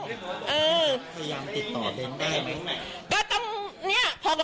พยายามติดต่อเต็มได้ไหมคุณแม่